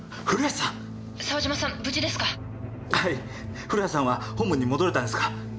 古橋さんは本部に戻れたんですか？